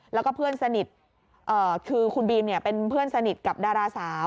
แล้วก็เพื่อนสนิทคือคุณบีมเป็นเพื่อนสนิทกับดาราสาว